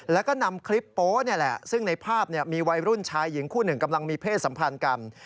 แล้วก็นำคลิปโป๊ะนี่แหละซึ่งในภาพมีวัยรุ่นชายหญิงคู่หนึ่งกำลังมีเพศสัมพันธ์กัน